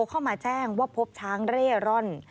เข้ามาแจ้งว่าพบช้างเร่ร่อน